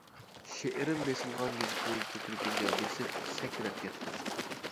شېئىرىم بېسىلغان گېزىتنى كۆكرىكىمگە بېسىپ سەكرەپ كەتتىم.